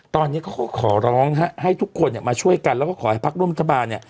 ตอนนี้เขาก็ขอร้องให้ทุกคนมาช่วยกันแล้วก็ขอให้ภักดิ์ร่วมรัฐบาล